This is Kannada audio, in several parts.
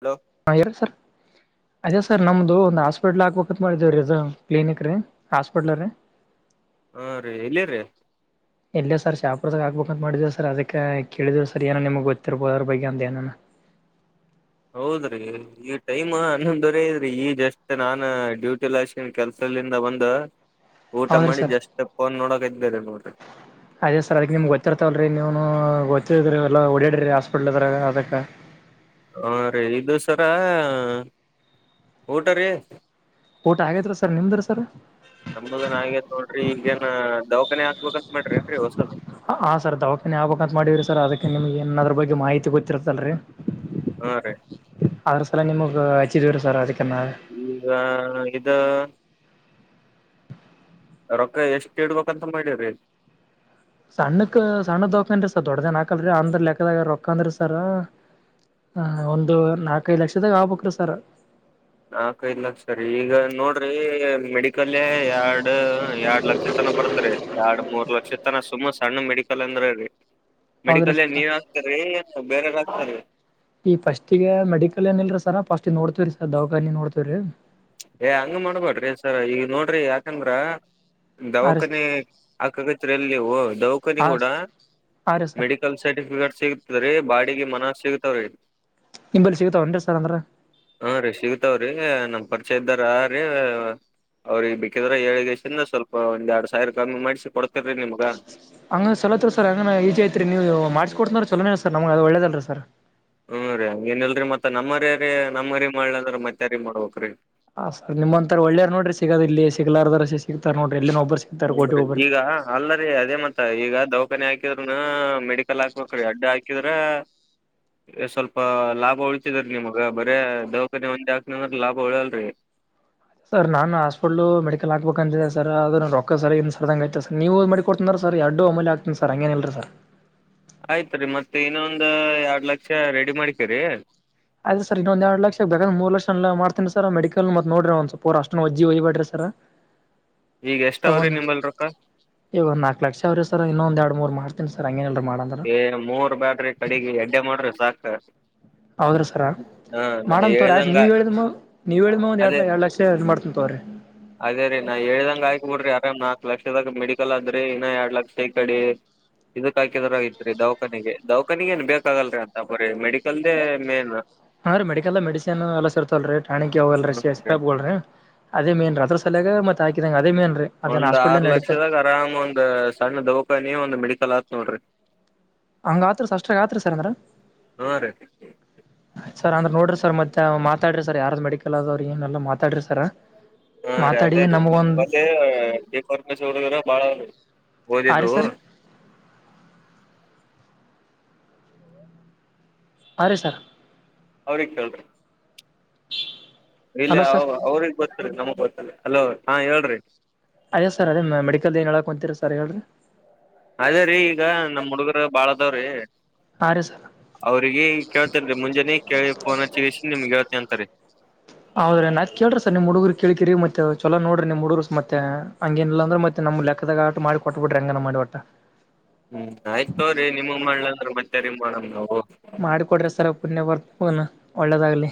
ಹಲೋ ಹಾ ಹೇಳ್ರ ಸರ್ ಅದೇ ಸರ್ ನಮ್ದು ಒಂದು ಹಾಸ್ಪಿಟ್ಲ್ ಹಾಕಬೇಕತ್ ಮಾಡಿದೆವ್ರಿ ಇದ ಕ್ಲಿನಿಕ್ ರೀ ಹಾಸ್ಪಿಟ್ಲ್ ರೀ. ಹ್ಮ್ ರೀ ಎಲ್ಲಿ ರೀ. ಇಲ್ಲೆ ಸರ್ ಶಹಪುರದಾಗ್ ಹಾಕ್ಬೇಕಂತ ಮಾಡಿದೆವು ಸರ್ ಅದಕ್ಕೆ ಕೇಳಿದ್ವು ಸರ್ ಏನೋ ನಿಮುಗ್ ಗೊತ್ತಿರ್ಬೋದ ಅದ್ರ ಬಗ್ಗೆ ಅಂದ್ ಏನನ. ಹೌದ್ರೀ. ಈ ಟೈಮ್ ಹ ನ್ನೊಂದೊರಿ ಆಗ್ಯಾದ್ರಿ ಈ ಜಸ್ಟ್ ನಾನ್ ಡ್ಯೂಟಿ ಲೆಸ್ಕಂದ ಕೆಲ್ಸಲಿಂದ ಬಂದ ಊಟ ಹೌದ್ರೀ ಮಾಡಿ ಸರ್ ಜಸ್ಟ್ತ್ ಫೋನ್ ನೋಡಗತಿವೇವ್ರೀ [unintelligible] ಅದೇ ಸರ್ ಅದಕ್ಕೆ ನಿಮ್ಗ ಗೊತ್ತಿರ್ತಾವಲ್ಲ ರೀ ನೀವುನು ಗೊತ್ತಿದ್ರೀ ಎಲ್ಲ ಒಡ್ಯಡಿರಿ ಹಾಸ್ಪಿಟ್ಲ್ ಅದ್ರಾಗ್ ಅದಕ್ಕ. ಹಾ ರೀ ಇದು ಸರ ಊಟ ರೀ. ಊಟ ಆಗೇತ್ತ್ರ ಸರ್ ನಿಮ್ದ್ರ ಸರ್. ನಮ್ದುನು ಆಗೈತ ನೋಡ್ರಿ ಈಗೇನ ದವಾಖಾನೆ ಹಾಕ್ಬೇಕಂತ್ ಮಾಡ್ರಿ ಏನ್ರಿ ಹೊಸದ. ಹಾ ಸರ್ ದವಕನಿ ಹಾಕ್ಬೇಕ ಅಂತ ಮಾಡೀವಿರೀ ಸರ್ ಅದಕ್ಕೆ ನಿಮ್ಗೆ ಎನ್ ಅದರ್ ಬಗ್ಗೆ ಮಾಹಿತಿ ಗೊತ್ತಿರತದಲ್ರಿ. ಹಾ ರೀ ಅದ್ರ ಸಲ್ಯ ನಿಮಗ್ ಹಚ್ಚಿದಿವ್ರೀ ಸರ್ ಅದಕ್ ನಾವೆ. ಈಗ ಇದ. ರೊಕ್ಕ ಎಷ್ಟ್ ಇಡ್ಬೇಕ್ಂತ ಮಾಡಿರಿ. ಸಣ್ಣಕ್ ಸಣ್ಣ ದವಕಾನಿ ಸರ್ ದೊಡ್ಡದೇನ್ ಹಾಕಲ್ರಿ ಅಂದ್ರ ಲೆಕ್ಕದಾಗ ರೊಕ್ಕಂದ್ರ ಸರ್. ಹ ಒಂದು ನಾಲ್ಕೈದು ಲಕ್ಷದಾಗ ಆಗ್ಬೇಕ್ರಿ ಸರ್. ನಾಕೈಐದ್ ಲಕ್ಷ ರಿ ಈಗ ನೋಡ್ರಿ ಮೆಡಿಕಲೆ ಎರಡ್ ಎರಡ್ ಲಕ್ಷ ಲಕ್ಷತನ ಬರ್ತಾದ್ರಿ ಎರಡ್ ಮೂರ್ ಲಕ್ಷ ತನ ಸುಮ್ ಸಣ್ಣ ಮೆಡಿಕಲ್ ಅಂದ್ರ ರೀ. ಹೌದ್ರಿ ಮೆಡಿಕಲೆ ಸರ್ ನೀವೆ ಹಾಕ್ತೀರಿ ಎನ್ ಬೇರೆರ ಹಾಕ್ತಾರಿ. ಈ ಫಸ್ಟಿಗೆ ಮೆಡಿಕಲ್ ಏನ್ ಇಲ್ರಿ ಸರ್ ಫಸ್ಟ್ ನೋಡ್ತಿವರಿ ಸರ್ ದವಾಖಾನಿ ನೋಡ್ತೇವ್ರೀ. ಏ ಹಂಗ ಮಾಡ್ಬೇಡ್ರಿ ಸರ್ ಈಗ ನೋಡ್ರಿ ಯಾಕಂದ್ರ ಹಾ ರೀ ಸರ್ ದವಖಾನಿ ಹಾಕಗತ್ರಲ್ ನೀವು ದೌಖನಿ ಹಾ ಗೂಡ ಹಾ ರೀ ಸರ್ ಮೆಡಿ ಕಲ್ ಸರ್ಟಿಫಿಕೇಟ್ ಸಿಗತದ ರೀ ಬಾಡಿಗಿ ಮನಾರ್ ಸಿಗತಾವ್ರೀ. ನಿಂಬಲ್ಲಿ ಸಿಗತಾವೇನ್ರಿ ಸರ್ ಅಂದ್ರ. ಹಾ ರಿ ಸಿಗತಾವ್ರೀ ನಮ್ ಪರಿಚಯ ಇದ್ದಾರ ಹಾ ರೀ ಅವ್ರಿಗ್ ಬೇಕಿದ್ರ ಹೇಳ್ ಗೆಸಿಂದ್ರ ಸ್ವಲ್ಪ ಒಂದ್ ಎರಡ್ ಸಾವಿರ ಕಮ್ಮಿ ಮಾಡ್ಸಿ ಕೊಡ್ತಿರೀ ನಿಮ್ಗ. ಹಂಗ ಚಲೋ ಆತ್ರಿ ಸರ್ ಹೆಂಗನ ಈಜಿ ಐತ್ರಿ ನೀವು ಮಾಡ್ಕ್ಸೋತನಂದ್ರ ಚಲೋನೆ ಅದ್ ಸರ್ ನಮಗ ಅದು ಒಳ್ಳೇದೆ ಆಲ್ರ ಸರ್. ಹ್ಮ್ ರಿ ಹಂಗೇನಿಲ್ರಿ ಮತ್ತ ನಮ್ಮರೆರಿ ನಮ್ಮರಿಗ ಮಾಡ್ಲಲಿಲ್ ಅಂದ್ರ ಮತ್ಯಾರಿಗ ಮಾಡ್ಬೇಕ್ ರೀ. ಹ ಸರ್ ನಿಮ್ ಅಂತರ ಒಳ್ಳೇರ್ ನೋಡ್ರಿ ಸಿಗದ ಇಲ್ಲಿ ಸಿಗ್ಲಾರದಾರ ಸಿ ಸಿಗ್ತತಾರ್ ನೋಡ್ರಿ ಎಲ್ಲನ ಒಬ್ರು ಸಿ ಹಿಂಗ್ರಿ ಈಗಾ. ಅಲ್ಲರಿ ಅದೇ ಮತ್ತ ಈಗ ದೌಖಾನೆ ಹಾಕಿದ್ರನ ಮೆಡಿಕಲ್ ಹಾಕ್ಬೇಕ್ರಿ ಏಡ್ಡು ಹಾಕಿದ್ರ. ಏ ಸ್ವಲ್ಪ ಲಾಭ ಉಳಿತಿದ್ರರಿ ನಿಮಗ ಬರೇ ದೌಖಾನೆ ಒಂದೆ ಹಾಕತನಂದ್ರ ಲಾಭ ಉಳ್ಯಾಲ್ರಿ. ಸರ್ ನಾನು ಹಾಸ್ಪಿಟ್ಲ್ ಮೆಡಿಕಲ್ ಹಾಕ್ಬೇಕು ಅಂತಿದೆ ಸರ್ ಅದ ರೊಕ್ಕಸರಿಯಿಲ್ಲ ಸರ್ ನೀವು ಕೊಡ್ತನ ಸರ್ ಎಡ್ಡು ಒಮ್ಮೆನೇಲಿಗೆ ಹಾಕ್ತಿನಿ ಸರ್ ಹಂಗೇನಲ್ರರಿರ್. ಆಯ್ತ್ ರೀ ಮತ್ತ ಇನ್ನೊ ಒಂದ ಎರಡ್ ಲಕ್ಷ ರೆಡಿ ಮಾಡಿಕೇರಿ. ಆಯ್ತು ಸರ್ ಇನ್ನಂದ ಎರಡ್ ಲಕ್ಷಕ್ ಬೇಕಂದ್ರ ಮೂರ್ ಲಕ್ಷ ಮಾಡ್ತೀನ ಮೆಡಿಕಲ್ ನೋಡ್ರಿ ಒಂದ ಸ್ವಲ್ಪ ಅಷ್ಟ ವಜ್ಜಿ ವಹ್ ಬಿರಿ ಸರ್. ಈಗ ಎಷ್ಟ ಸ ಅವ್ರಿ ಒಂದ್ ನಿಂಬಲ್ಲಿ ರೊಕ್ಕ ಈಗ ನಾಲ್ಕ್ ಲಕ್ಷ ಅವ್ರೀ ಸರ್ ಇನ್ನೊಂದ ಎರಡು ಮೂರ್ ಮಾಡತೀನ ಸರ್ ಹಂಗೇನಲ್ರಿ ಮಾಡೋನಾ ಏ ಮೂರ್ ಬ್ಯಾಡ್ರಿ ಕಡೆಗ ಎಡ್ಡೆ ಮಾಡ್ರಿ ಸಾಕ. ಹೌದ್ರ ಸರ ಹ ನಾ ಮಾಡಮ್ತಕೋರಿ ಹೇಳ್ದಂಗ ನೀವ ಹೇಳಿದ್ಮ ನೀವ್ ಹೇಳಿದ್ಮ ಎರ ಅದೇ ಎರಡು ಲಕ್ಷ. ಮಾಡ್ತೀನಿ ತಕೋರಿ. ಅದೇ ರೀ ನಾ ಹೇಳ್ದಂಗ ಆಯಕ್ ಬಿಡ್ರಿ ಅರಾಮ್ ನಾಲ್ಕ್ ಲಕ್ಷದಾಗ ಮೆಡಿಕಲ್ ಅದ್ರಿ ಇನ್ನ ಎರಡ್ ಲಕ್ಷ. ಇದಕ್ ಹಾಕಿದ್ರ ಐತ್ರಿ ದೌವಖಾನಗೆ ದೌಖಾನಗ ಏನ್ ಬೇಕಾಗಲ್ರರಿ ಅಂತ ಬ್ರೀ ಮೆಡಿಕಲ್ದೇ ಮೇನ್. ಅಂದ್ರೆ ಮೆಡಿಕಲ್ಲ್ಲ ಮೆಡಿಸನ್ ಎಲ್ಲಾರ್ತಲ್ರರಿ ಟಾಣಿ ಹೋಗಲ್ರಿ ಸ ಸಪ್ಲ್ರಿ. ಅದೇ ಮೇನ್ ಅದ್ರಸಲಾಗ ಮತ್ ಹಾಕಿದಂಗ ಅದೇ ಮೇನ್ರೀ. ಒಂದ್ ಆರ್ ಲಕ್ಷದಾಗ ಆರಾಮ ಒಂದ್ ಸಣ್ಣ ದೌಖಾನಿ ಒಂದ್ ಮೆಡಿಕಲ್ ಆತ್ ನೋಡ್ರಿ. ಹಂಗ ಆತ್ಸರ್ ಅಷ್ಟಾಗ ಆತ್ರಿ ಸರ್ ಅಂದ್ರ. ಹಾ ರೀ [unintelligible] ಸರ್ ಅಂದ್ರ ನೋಡ್ರಿ ಸರ್ ಮತ್ತೆ ಮಾತಾಡ್ರಿ ಸರ್ ಯಾರ್ದ ಮೆಡಿಕಲ್ ಆದದ್ ಏನಲ್ಲ ಮಾತಾಡ್ರರಿ ಸರ್. ಹಾ ರೀ ಮಾತಾಡಿ ಅಲ್ಲೇ ನಮ್ಗೊಂದ್ ಮತ್ತೆ ಪರಮೇಶ್ ಅವರ್ರ ಬಾಳ ಆ ಓದಿದ್ದು ರೀ ಸರ್ ಹಾರೀ ಸರ್. ಅವ್ರಿಗೆ ಕೇಳ್ರಿ. ಇಲ್ಲ ಹಲೋ ಸರ್ ಅವ್ರಗ್ ಗೊತ್ತರಿ ನಮಗ್ ಗೊತ್ತ ಹಲೋ ಹಾ ಹೇಳ್ರಿ ಅದೇ ಸರ್ ಅದೆ ಮೆಡಿಕಲ್ ಏನೋಹೇಳಕ್ಕಂತೀರಿ ಸರ್ ಹೇಳ್ರಿ ಅದೇರೀ ಈಗ ನಮ್ ಹುಡುಗರ ಬಾಳದಾವ್ರೀ. ಹರೀ ಸರ್. ಅವ್ರಿಗೆ ಕೇಳ್ತೇನ್ ರೀ ಮುಂಜಾನೆ ಕೇಳಿ ಫೋನ್ ಹಚ್ಚಿಸಿ ನಿಮ್ಗೆ ಹೇಳ್ತೇ ಅಂತಾರೆರಿ. ಹೌದ್ರೀ ನಾತ್ ಕೇಳ್ರಿ ಸರ್ ನಿಮ್ಮ ಹುಡುಗರು ಕಳ್ತಿರಿ ಮತ್ತ ಚಲೋ ನೋಡಿ ನಿಮ್ ಹುಡುಗರುರ್ ಮತ್ತೆ ಹಂಗೇನಿಲ್ಲ ಅಂದ್ರ ಮತ್ತೆ ನಮ್ಮ ಲೆಕ್ಕದಾಗ ಆಟ ಮಾಡಿ ಕೊಟ್ಬ ಬಿರಿ ಹೆಂಗನ ಮಾಡಿ ಒಟ್ಟ. ಹ್ಮ್ ಆಯ್ತ್ರಿ ನಿಮ್ಮಗೆ ಮಾಡ್ಲಂಗ್ರ ಮತ್ತರಿ ಮಾಡಮ ನಾವು. ಮಾಡಕೊಡ್ರೆ ಸರ್ ಪುಣ್ಯ ಬರ್ತ ಒಳ್ಳೆದಾಗ್ಲಿ.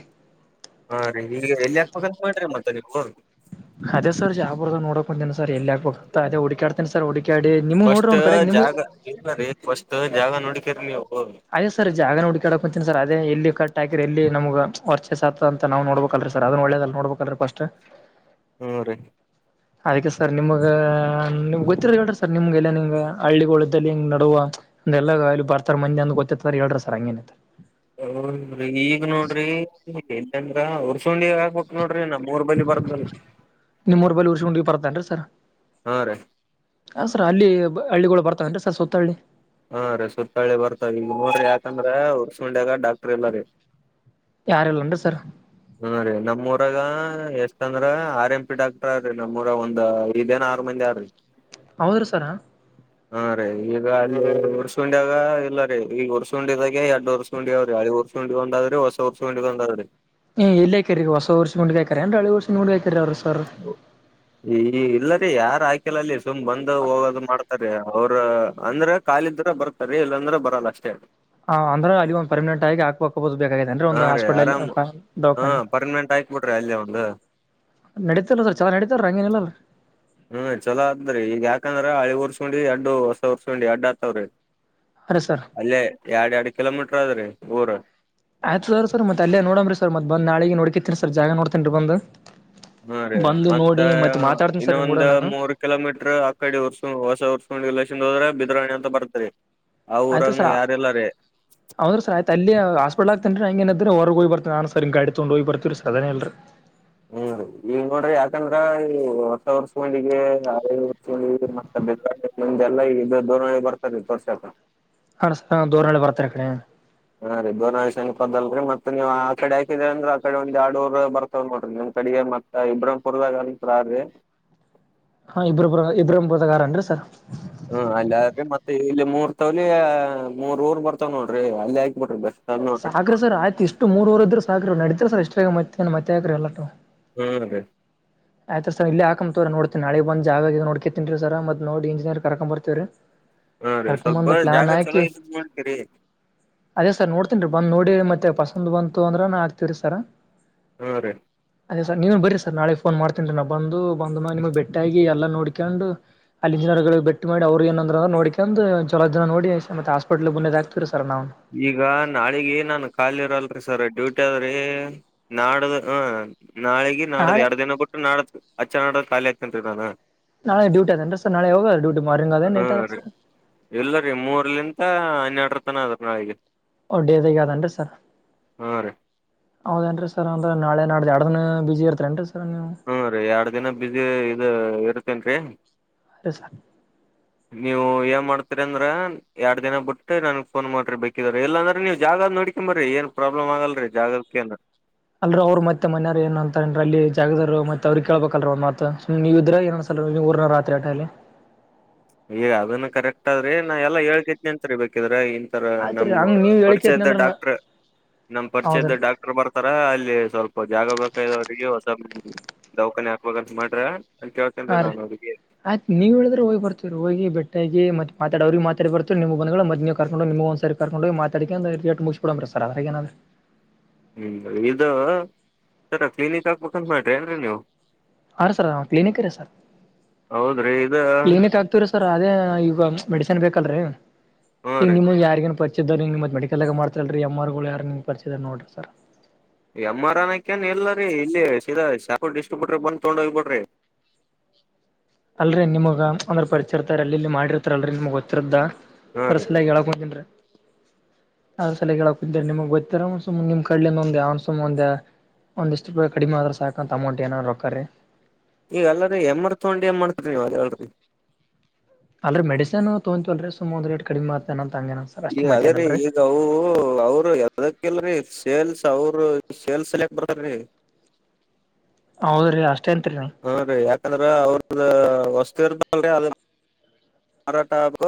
ಹಾ ರೀ ಈಗ ಎಲ್ಲಿ ಹಾಕ್ಬೇಕಂತ ಮಾಡ್ರಿ ಮತ್ತ ನೀವು. ಅದೇ ಸರ್ ಜಾವರ್ದ ನೋಡಕ್ ಬಂದಂತಿನನ ಸರ್ ಎಲ್ಲಿ ಆಗ್ಬೋುದು. ಅದೇ ಹುಡಕಾಡ್ತೇ ಸರ್ ಹುಡಕಾಡಿ ನೀ ಫಸ್ಟ್ ನೋಡ್ರ ಒಂದು ಕಡೆಗ್ ನಿಮ್. ಜಾಗ ಇಲ್ಲ ರೀ ಫಸ್ಟ್ ಜಾಗ ನೋಡಿಕರಿ ನೀವು. ಅದೇ ಸರ್ ಜಾಗನ ಹುಡುಕಾಡಕ ಹೊಂತಿನಿ ಸರ್ ಅದೇ ಎಲ್ಲಿ ಕರೆಕ್ಟ್ ಹಾಕಿರ ಎಲ್ಲಿ ನಮಗೆ ವರ್ಚೇಸ್ ಆತಂತ. ನಾ ನೋಡ್ಬೇಕಲ್ರಿ ಸರ್ ಅದ ಒಳ್ಳೇದಲ್ಲ ನೋಡ್ಬೇಕಲ್ರಿ ಫಸ್ಟ್. ಹುನ್ರಿ. ಅದ್ಕ್ಕೆ ಸರ್ ನಿಮಗ ನಿಮ್ಮ ಗೊತ್ತಿರ ಹೇಳ್ರಿ ಸರ್ ನಿಮ್ಗೆಲ್ಲ ನಿಂಗ್ ಹಳ್ಳಿಗಳಳ್ದದಲ್ಲಿ ಹಿಂಗ ನಡುವ. ಅಲ್ಲ ಇಲ್ಲಿ ಬರ್ತಾರ ಮಂದ ಅಂದ ಗೊತ್ತತಿ ಅಂತ ಹೇಳ್ರಿ ಸರ್ ಹಂಗೇನ. ಈಗ ನೋಡ್ರಿ ಹೇಲ್ತನ್ರ ಅವ್ರ. ಚುಂಡಿ ಹ ಆಗ್ಬೇಕಕ್ ನೋಡ್ರಿ ನಮ್ಮ್ ಮೂರ್ [unintelligible] ನಿಮ್ಮ ಊರು [unintelligible] ಬರ್ತನ್ರ ಸರ್. ಹಾ ರೀ ಹಾಂ ಸರ್ ಅಲ್ಲಿ ಹಳ್ಳಿಗಳು ಬರ್ತವೆರೀ ಸರ್ ಸುತ್ತಳ್ಳಿ ಹಾರೀ ಸುತ್ತಳ್ಳಿ ಬರ್ತಾವ ಈಗ ನೋಡ್ರಿ ಯಾಕಂದ್ರೆ ಉರ್ಸ್ಕೊಂಡ್ಯಾಗ ಡಾಕ್ಟ್ರರ್ ಇಲ್ಲ ರೀ. ಯಾರಲ್ಲನ್ರಿ ಸರ್. ಹಾ ರೀ ನಮ್ಮೂರಾಗ ಎಷ್ಟ ಅಂದ್ರ ಆರ್ ಎಂ ಪಿ ಡಾಕ್ಟರ್ ಆರಿ ನಮ್ಮೂರ ಒಂದ್ ಐದು ಏನ್ ಆರ ಮಂದಿ ಆರಿ [unintelligible] ಹೌದ ರಿ ಸರ್ ಹಾ ರೀ ಈಗ ಅಲ್ಲಿ ಉರ್ಸ್ಕೊಂಡ್ಯಾಗ ಇಲ್ಲ ರೀ ಈಗ ಉರ್ಸಕೊಂಡಿದಾಗೆ ಎಡ್ಡ ವರ್ಷ ಹಳಿ ಉರಸೊಂಡಿ ಒಂದಾದ್ರಿ ಹೊಸ ಉರಸೋಂಡಿ ಒಂದಾದ್ರಿ ಹ ಎಲ್ಲೇ ಹಾಕಿರಿ ಹೊಸ ಉರ್ಸೊಂಡಿ ನಾಗ ಹಾಕ್ಯಾರಿ ಅ್ರ ಹಳಿ ಉಸೋಂಡಗ ಹಾಕ್ಯಾರಿ ಅವರು ಸರ್ ಈ ಇಲ್ಲರಿ ಯಾರ ಹಾಕಿಲ್ಲ ಅಲ್ಲಿ ಸುಮ್ ಬಂದ ಹೋಗೋದು ಮಾಡ್ತಾರ ಅ ಅವ್ರ ಅಂದ್ರ ಖಾಲಿದ್ರ ಬರ್ತಾರೆ ಇಲ್ಲಾಂದ್ರ ಬರಲ್ಲ ಅಷ್ಟೇ ಅ ಹಾ ಅಂದ್ರ ಅಲ್ಲಿ ಒಂದು ಪರ್ಮಿನಂಟ್ ಆಗಿ ಹಾಕ್ಬೇಕ ಬೋದು ಬೇಕಾಗಿದೆ ಅನ್ರಿ ಹಾ ಒಂದು ರೀ ಹಾಸ್ಪಿಟಲ್ನಲ್ಲಿ ಆರಾಮ್ ಹಾ ದವಾಖಾನೆ ಪರ್ಮನೆಂಟ್ ಹಾಕ್ಬಿಟ್ರಿ ಅಲ್ಲೇ ಒಂದು ನಡಿತದ ಚೆನ್ನಾಗಿ ನಡೀತದ ಹಂಗೇನಿಲ್ಲ ರೀ ಹುಂ ಚಲೋ ಆತದರಿ ಈಗ ಯಾಕಂದ್ರ ಹಳಿ ಉರ್ಕೊಂಡಿ ಎಡು ಹೊಸ ಹೊರ್ಸ್ಕೊಂಡಿ ಎಡ್ ಆತಾವ್ರಿ ಹಾರೀ ಸರ್ ಅಲ್ಲೇ ಎರಡ್ ಎರಡ್ ಕಿಲೋಮೀಟರ್ ಅದ್ ರಿ ಊರ ಆಯ್ತು ಸರ್ ಅಲ್ಲೇ ನೋಡಂಬರಿ ಸರ್ ಬಂದು ನಾಳಿಗ ನೋಡ್ಕಿನರಿ ಸರ್ ಜಾಗ ನೋಡ್ತೀ ಸರ ಬಂದ ಹಾ ರೀ ಬಂದು ಮತ್ತ ನೋಡಿ ಮತ್ತ ಮಾತಾಡ್ತನಿ ಇನ್ನ ಸರ್ ನಿಮ್ ಗೂಡ ಒಂದ್ ನಾನು ಮೂರ್ ಕಿಲೋಮೀಟರ್ ಅಕ್ಕಡಿ ಉರ್ಸು ಹೊಸ ಉರ್ಸೊಂಡು [unintelligible] ಹೋದ್ರೆ ಬಿದ್ರಾಣಿ ಅಂತ ಬರ್ತರಿ ಆ ಊರಂಗನು ಯಾರಿಲ್ಲಾರಿ ಹೌದ್ರೀ ಸರ ಆಯ್ತ ಅಲ್ಲಿ ಹಾಸ್ಪಿಟಲ ಹಾಕತನ್ ಹಂಗ ಏನ್ರೆ ಇದ್ರ ಹೊರ್ ಹೋಗಿರ್ತನ ಸರ್ ಗಾಡಿ ತೊಗೊಂಡ ಹೋಗಿರ್ತೀರಿ ಸರ್ ಅದೇನೀಲ್ರಿ ಹುಂ ಈಗ ನೋಡ್ರಿ ಯಾಕಂದ್ರ ಈ ಹೊಸ ವರ್ಷ [unintelligible] [unintelligible] ತೋರ್ಸಾಕ ಅನ್ಸತಾ ದೂರನ್ನು [unintelligible] ಬರ್ತಾರೆ ಕಡೆ [unintelligible] ಅಲ್ರಿ ಮತ್ತ ನೀವ ಆ ಕಡೆ ಹಾಕಿದೀ ಅಂದ್ರ ಆ ಕಡೆ ಒಂದು ಎಡುರು ಬರ್ತ ನೋಡ್ರಿ ನಿಮ್ ಕಡೆಗೆ ಮತ್ತ ಇಬ್ರಾಹಿಂಪುರ್ ಇಬ್ರ ಹಾರಿ ಹಾಂ ಇಬ್ರಪುರ ಇಬ್ರಂಪುರದಾಗಾರನ್ರರಿ ಸರ್ ಹ್ಮ್ ಅಲ್ಲಿ ಹಾರಿ ಮತ್ತೆ ಇಲ್ಲಿ ಮೂರ್ ತವಲಿ ಮೂರ್ ಊರ್ ಬರ್ತಾವ ನೋಡ್ರಿ ಅಲ್ಲಿ ಹಾಕಿ ಬಿಡ್ರಿ ಬೆ ಸಾಕ್ರಿ ಸರ್ ಆಯ್ತು ಇಷ್ಟು ಮೂರವೂರ ಇದ್ರ ಸಾಕ್ರರಿ ನಡೀತದರಿ ಸರ್ ಇಷ್ಟ್ರ ಮತ್ತೆ ಮತ್ತೆ ಆಕ್ರ [unintelligible] ಹುಂ ರೀ ಆಯ್ತ ಸರ್ ಇಲ್ಲಿಯೇ ಹಾಕೋಂತೋರಿವ ನೋಡ್ತೀನಿ ನಾಳೆ ಬಂದ ಜಾಗ ನೋಡ್ಕತಿನ್ ಸರ್ ಮತ ನೋಡಿ ಇಂಜಿನಿಯರ್ ಕರ್ಕೊ ಬರ್ತೀವರಿ ಹಾ ರೀ ಸ್ವಲ್ಪ ಜಾಗ ಚಲೋ ಇದ ಮಾಡ್ ಕೋರಿ ಅದೇ ಸರ್ ನೋಡ್ತೀನ್ ರೀ ಬಂದ್ ನೋಡಿ ಮತ್ತೆ ಪಸಂದ್ ಬಂತು ಅಂದ್ರ ಹಾಕತಿವ್ರಿ ಸರ್ ಹಾ ರೀ ಅದೇ ಸರ್ ನೀವನ್ ಬರಿ ಸರ್ ನಾಳೆ ಫೋನ್ ಮಾಡ್ತೀನ್ರಿ ನ ಬಂದು ಬಂದ ಮ್ಯಾಲೆ ನಿಮಗ್ ಬೆಟ್ಟಾಗಿ ಎಲ್ಲಾ ನೋಡ್ಕೊಂಡು ಅಲ್ಲಿ ಇಂಜಿನಿಯರ್ ಗ್ ಬೇಟಿ ಮಾಡಿ ಅವರು ಏಂದ್ರ ನೋಡಕೊಂಡ್ ಜಲೋ ದಿನ ನೋಡಿ ಮತ್ತ ಹಾಸ್ಪಿಟಲ್ ಮುಂದದ ಹಾಕ್ತಿವಿ ಸರ್ ನಾವು ಈಗ ನಾಳಿಗ ನಾನ್ ಖಾಲಿ ಇರಲ್ರಿ ಸರ್ ಡ್ಯೂಟಿ ಅದ್ ರೀ ನಾಡದ ಹ ನಾಳಿಗೆ ನಾಡ್ದ್ ನಾಳೆ ಎರಡ್ ದಿನ ಬ ಬಿಟ್ಟು ನಾಡ್ದ್ ಅಚ್ಚೀ ನಾಡದ ಖಾಲಿ ಆಗ್ತನ್ ನಾನು ನಾಳೆ ಡೂಟಿ ಅದನರಿ ಸರ್ ನಾಳಿ ಹೋಗದ ಡುಟಿ ಯಾವಾಗ ಅದ ಲೇಟ್ ಅದ ಏನ್ರೀ ಸರ್ ಇಲ್ಲರಿ ಮೂರಲಿಂದ್ರ ಹನ್ನೆರಡರ ತನ ಅದರಿ ನಾಳಿಗೆ ಒ ಡೇದಾಗ ಯಾದನರೀ ಸರ್ ಹಾ ರೀ ಹೌದೇನು ರೀ ಸರ್ ಅಂದರೆ ನಾಳೆ ನಾಡ್ದ ಎರಡ ದಿನ ಬಿಜಿ ಇರ್ತಿನ್ ರೀ ಸರ್ ನೀವು ಹುಂ ರಿ ಎರಡ್ ದಿನ ಬಿಸಿ ಇ ಇರ್ತ್ತೇನ್ರೀ [unintelligible] ಸರ್ ನೀವ ಏನ್ ಮಾಡ್ತೀರಿ ಅಂದ್ರ ಎರಡ್ ದಿನ ಬಿಟ್ಟೆ ನನ್ಗ್ ಫೋನ್ ಮಾಡ್ರಿ ಬೇಕಿದ್ರ ಇಲ್ಲಾಂದ್ರೆ ನೀವು ಜಾಗದ ನೋಡಿ ನಿ ಬರರಿ ಏನ್ ಪ್ರಾಬ್ಲಮ್ ಆಗಲ್ರೀ ಜಾಗಕ್ಕೆ. ಅಲ್ ಅವರು ಮತ್ತ ಮನೆಯಾರ ಏನ್ ಅಂತ ಅನ್ ಅಲ್ಲಿ ಜಾಗದಾರ ಮತ್ತ ಅವ್ರ ಕೇಳ್ಬೇಕಲ್ ಒಂದ್ತ ಮಾತು ನೀವು ಇದ್ರ ಏನ. ನೀವ್ ಊರಿನವರು ಅತಿರಿ ಏಟೆ ಅಲಿ. ಈಗ ಅದನ್ನ ಕರೆಕ್ಟ್ ಆದ್ರಿ ನಾ ಎಲ್ಲಾ ಹೇಳ್ಕೈದನೆಂತ್ರಿೀ ಬೇಕಿದ್ರ. ಸರ್ ಆಯ್ತ್ರಿ ನಮ್ಮ ಹಂಗ್ ನೀವ್ ಹೇಳಿಕೇತ್ನ ಪರಿಚಯದ ಅಂದ್ರ ಡಾಕ್ಟರ್ ನಮ್ಮ್ ಪರಿಚಯದ ಹೌದ್ರಿ ಡಾಕ್. ಬರ್ತಾರ ಅಲ್ಲಿ ಸ್ವಲ್ಪ ಜಾಗ ಬೇಕವರಿಗೆ ಹೊಸ ದವಾಖಾನಿ ಹಾಕ್ಬೇಕಂತ ಮಾಡ್ರೆ. ಅಲ್ಲಿ ಯಾವತೇನ್್ರೀ ಹಾ ರೀ ನಾನ್ ಅವ್ರಿಗೆ. ಆಯ್ತ್ ನೀವ ಹೇಳಿದ್ರೆ ಹೋಗಿ ಬರ್ತೀ ಹೋಗಿ ಬೆಟ್ಟಾಗಿಿ ಮತ್ ಮಾತಾಡ ಅವ್ರಿಗೆ ಮಾತಾಡಿ ಬರ್ತರ್ ನಿಮ್ಮ ಮಗಳು ಮ ನೀವು ಕಕೊಂಡು ನಿಮ್ಗಂದ್ರಿ. ಕರ್ೊಂಡೋಗ ಮಾತಾಡ ಮು ಬಿಡ ಸರ್ ಅಡ್ರಗೈನಾಡ್ರಿ. ಹ್ಮ್ ಇದು ಸರ ಕ್ಲಿನಿಕ್ ಹಾಕ್ಬೇಕಂತ ಮಾಡ್ರಿ ಏನ್ರರಿ ನೀವು. ಹ ರ ಸರ್ ಕ್ಲಿನಿಕ್ ರ ಸರ್ ಹೌದ್ರಿ ಇದ ಕ್ಲಿನಿಕ್ ಆಗ. ಸರ್ ಅದೇ ಈಗ ಮೆಡಿಸನ್ ಬೇಕಲ್ರೀ ಹ್ಞೂ ಈಗ ರೀ ನಿಮ ಯಾರಿಗನ್ ಪ. ನಿ ಮತ್ ಮಡಿಕಲ್ದಗ ಮಾಡತತಿಲ್ರಿ ಎಮ್ರ್ ಗಳು ಯಾರ ಪರಿಚಿದ ನೋಡರಿ ಸರ್. ಎಮ್ ಆರ್ ಅನಕ್ಕಏನ್ ಎಲ್ಲ ರೀ ಇಲ್ಲಿಾ ಶಾಪೂರ ಡಿಸ್ಟ್ರಿಬ್ಯೂಟ್ರ ಬಂದು ತೊೊಂಡ ಹೋಗ್ಬ ಬಿಡ್ರಿ. ಅಲ್ರೀ ನಿಮಗ ಅಂದ್ರ ಪರಿಚರ್ತ ಅಲ್ಲಿ ಇಲ್ಲಿ ಮಾಡಿರ್ತಾರಲ್ರಿ ನಿಮಗ್ ಗೊತ್ತಿರ್ತಿದ. ಹಾ ರೀ ರಸ್ಲ ಹೇಳಳಾಕ್ ಹೊಂಗೇನ್ರರಿ. [inaudible] ಅದ ಸಲಕ್ ನಿಮಗ್ ಗೊತ್ತರ ಸುಮ್ಮ ಕಡ್ಲಂದ ಅವ್ನು ಸುಮ ಒಂದ. ಒಂದಷ್ಟ ಕಡಿಮೆ ಆದ್ರ ಸಾಕಂತ ಅಮೌಂಟ್ ಏಾರ ರೊಕೀ. ಈಗ ಅಲ್ಲರಿೀ ಹೆಮ್ಮ್ರ್ ತೊಂಡ ಎ್ ಮಾಡ್ತರಿ ನೀವು ಅದ ಹೇಳರಿ. ಅಲ್ರಿ ಮೆಡಿಸನ್ ತೊಂತವಲ್ರಿ ಸುಮೊ್ ರೇಟ್ ಕಡಿಮ ಮಾಡ್ತೇ ಅಂಗೇನ. ಈಗ ಅದೇ ರೀ ಈಗ ಅವ ಅವರು. ಅದಕ್ಕೆಲ್ರೀ ಸೇಲ್ಸ್ ಅವರು ಸೇಲ್ಸ್ ಸೆಲೆಕ್ಟ್ ಬರೀ. ಹೌದ್ರಿ ಅಷ್ಟೇ ಅಂತತ್ರಿ ನ. ಹಾ ರಿ ಯಾಕಂದ್ರ ಅವ್ರದ ವಸ್ತಿ ಇರ್ದಲ್ರಿ ಅದ. ಮರಾಠ ಆಕ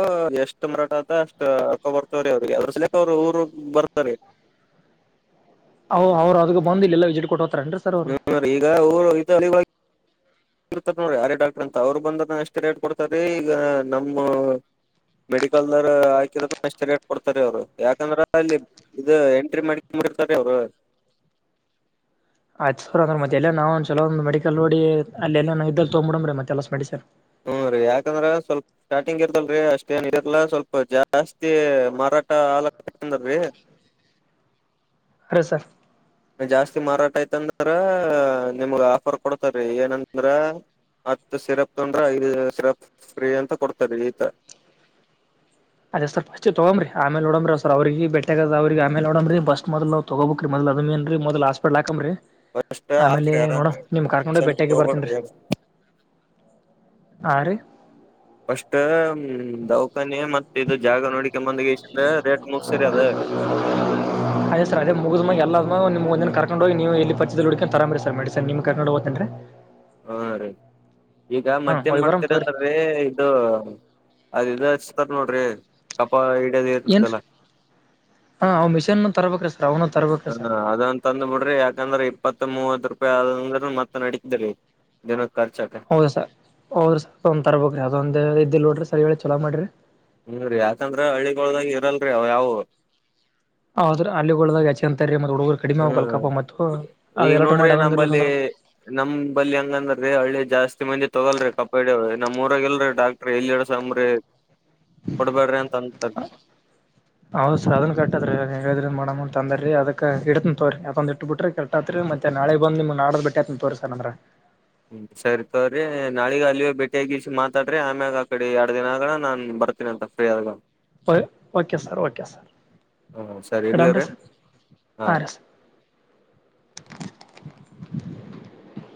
ಎಷ್ಟು ಮರಾಠ ಆತ ಅಷ್ಟ್ ಅಕ್ಕ ಬರ್ತವ್ರೀ ಅವ್ರಿಗೆ ಅದ್ರ ಸಲಕ್ ಅವ್ರರು ಊರ್ ಬರ್ತಾರೀ. ಅವರು ಅದ ಬಂದ ಇಿಲ್ಲಲ್ಲ ವಜಿಸಿಟ್ ಕೊಟ್ಟ ಹೋತಾರನ್ರೀ ಸರ್ ಅವರು. ಹ್ಮ್ ಈಗ ಊರು [inaudible] ಇತ ನೋಡಿ ಯಾರೇ ಡಾಕ್ಟರ್ ಅಂತ ಅವ್ರು ಬಂದದ ಎಷ್ಟ್ ರೇಟ್ ಕೊಡ್ತಾರೀ ಈಗ ನಮ್ಮ. ಮೆಡಿಕಲ್ ದಾರ ಹಾಕಿದ ಎಷ್ಟ ರೇಟ್ ಕೊಡ್ತಾರೆ ಅವ್ರು ಯಾಕಂದ್ರ ಅಲ್ಲಿ. ಇದು ಎಂಟ್ರಿ ಮಾಡಕೊಂಡಂಬಿರ್ತಾರೆ ಅವ್ರು. ಆಯ್ತ್ ಸುರ್ ಅ್ರ ಮತ್ತೆಲ್ಲ ನವು ಒ ಚಲೊಂದ ಮೆಡಿಕಲ್ ನೋಡಿ ಅಲ್ಲ ನಾವ ಇದ್ದಲ್ಲಿ ತಗ್ ಬಿಡ್ರೀ ಮತ್ತೆಲ ಮೆಡಿಸಿನ್. ಹ್ಮ ರೀ ಯಾಕಂದ್ರೆ ಸ್ವಲ್ಪ. ಸ್ಟಾರ್ಟಿಂಗ್ ಇರ್ತಲ್ರರಿ ಅಷ್ಟೇನ್ ಇಲ್ಲ ಸ್ವಲ್ಪ ಜಾಸ್ತಿ ಮಾರಾಟ ಆಲಲ್ರಿ. ಅದೇ ಸರ್. ಜಾಸ್ತಿ ಮಾರಾಟ ಆಯತಂದ್ರ ನಿಮ ಆಫರ್ ಕೊಡ್ತಾರೀ ಏನಂದ್ರ. ಹತ್ತು ಸಿರಪ್ ತೊಂದ್ರೆ ಐದು ಸಿರಪ್ ಫ್ರೀ ಅಂತ ಕೊಡ್ತಾರೆ ಈತ. ಅದೇ ಸರ್ಫಸ್ಟ್ ತಗಂಬ್ರಿ ಆಮೇಲೆಡಂಬ್ರ ಅವ ಸರ್ ಅವ್ರಿಗೆ ಬೆೆಗ ಅವ್ರಿಗೆ ಆೇಲೆಡಂಬ್ರಿ ಬಸ್ ಮೊದಲ್. ತಗೋಬೇಕಕ್ ಮದ ಅಮ ಏನ್ ಮದಲ್ ಹಸ್ಪಟ್ ಹಾಕಮ್ರರಿ. ಫಸ್ಟ್ ಆಮೇಲೆ ಹಾಕ್ರಿ ಆರಾಮ್ ನೋಡಮ ನಿಮ್ ಕಾರ್ಕೊಂಡ ಟೆನ್ಷನ್ ಬೆಟ್ಟಾಗ ತಗೋಬ್ಯಾಡ್ರಿ ಬರ್ತೇನ್ರಿ. ಆರಿ. ಫಸ್ಟ್ ಹ್ಮ ದೌಖಾನೆ ಮತ್ ಇದು ಜಾಗ ನೋಡಿಕಂಬಂದಂದ ರೇಟ್ ಮುಗಸರಿ ಅದ. [unintelligible] ಅದೇ ಸರ್ ಅದ ಮುಗ್ದ್ಾಗ ಎಲ್ಲ ನಿಮ್ ಒಂದ ಕರ್ೊಂಡೋಗ ನೀವುಲ್ಲಿ ಪರಿಚದಲ್ಲಿ ಹಡ್ಕೊಂಡ ತರ್ರಿ ಸರ್ ಮೆಸನ್ ನಿಮ್ ಕರ್ೊಂಡ ಹೋಗ್ೇನ್ರಿ. ಹಾ ರೀ ಈಗ ಹಾ ಮತ್ತ್ಯಾನ್ ಹೋಗಿ ಬರಮ್ ಮಾಡ್ತೀರ ತಗೋರಿ ಅಂದ್ರೀ. ಇದು ಅದ ಇದು ಹಚ್ತರ್ ನೋಡ್ರಿ ಕಪ ಹಿಡಿಯದ ಏನ್ರೀ ಇರ್ತದಲ್ಲ. [inaudible] ಹಾ ಅವ ಮಿಷನ್ ತರಬೇಕ ಅಲ್ಲಿ. [inaudible] ಲಗೂನ ತರಬೇಕ. [inaudible] ಅಂದರ್ ಆದಂತ [inaudible] ತಂದ್ ಬಿಡ್ರಿ ಯಾಕಂದ್ರ ಇಪ್ಪತ್ತ ಮೂವತ್ತ ರೂಪಾಯಿ ಆದಂದ್ರ ಮತ್ತ ನಡೇತದ್ರಿ ದಿನದ ಖರ್ಚ ಆಯ್ತ. [inaudible] ಹೌದು ಸರ್ ಹೌದು ಸರ್ ಒಂದ್ ತರಬಬೇಕು ರೀ ಅದ ಒಂದೇ ರೀತಿಯಲ್ಲಿ ನೋಡ್ರರಿ ಸರಿ ಹೇಳ ರಿ ಚಲೂ ಮಾಡ್ರರಿ. [inaudible] ಹು ರೀ ಯಾಕಂದ್ರ ಹಳ್ಳಿಗೊಳದಾಗ ಇರಲ್ರಿ ಅವ್ ಯಾವವು. [inaudible] ಹೌದರಿ ಹಳ್ಳಿಗಳದಾಗ ಹಚ್ಚಂತರಿ ಮತ್ತ ಹುಡುಗರು ಕಡಿಮೆ ಆಗಬೇಕ ಅಲ್ಲ ಹ್ಮ್. ಕಪ್ಪ ಮತ್ತು ಹೌದು ಅದ ಎರಾಟ ಮಾಡಿ ಅದೊಂದ ಇರ್ಲಕಂದ್ರ. [inaudible] ನಮ್ಮ ಬಲ್ಲಿ ಹಂಗಂದ್ರೀ ಹಳ್ಳಿ ಜಾಸ್ತಿ ಮಂದಿ ತೋಗಲ್ರಿ ಕಪ ಹಿಡಿಯೋದ ನಮ್ಮ ಊರಾಗಲ್ರಿ ಡಾಕ್ [inaudible] ರಿ ಇಲ್ಲೇ ಅದರಿ ಸಾಂಬಾರಿ ಕೊಡ್ಬೇಡ್ರಿ ಅಂತ ತಂತ [inaudible] ಹೌದ ಸರ್ ಅದನ ಕಟ್ಟದರೀ ನೀವ್ ಹೇಳಿದರ ಮಾಡಮ್ ತಂದ್ರರಿ ಅದಕ್ ಇಡತಿನ್ ತೋರರಿ ಅದಒಂದ ಇಟ್ಟ ಬಿಟ್ರೆ ಕೇಳ್ [inaudible] ರಾತ್ರಿ ಮತ್ತೆ ನಾಳೆಗ ಬಂದ ನಿಮ್ಮನ ನಾಡದ ಬೇಟ್ಟೆ ಆಗ್ತೀನ ತೋರ್ ಸರ್ ಅಂದರ್ [inaudible] ಸರಿ ತೋರರಿ ನಾಳಿಗ ಅಲ್ಲಿಯೇ ಭೇಟಿಯಾಗಿಸಿ ಮಾತಾಡರಿ ಆಮ್ಯಾಗ ಆ ಕಡೆ ಎರಡು ದಿನ ಆಗಣ ನಾನ್ ಬರ್ತೀನಿ ಅಂತ. [inaudible] ಫ್ರೀ ಆದಗ ಹೇಳ? [inaudible] ಓ ಓಕೆ ಸರ್ ಓಕೆ ಸರ್ ಹಾ ಸರಿ ಇಡಮ ರೀ ಇಡ್ಲಿರಿ ಸರ್ ಹಾ ರೀ ಸರ್. [inaudible]